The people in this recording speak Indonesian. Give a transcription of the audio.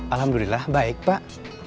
alhamdulillah baik pak